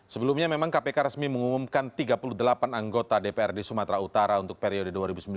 sebelumnya memang kpk resmi mengumumkan tiga puluh delapan anggota dprd sumatera utara untuk periode dua ribu sembilan belas dua ribu dua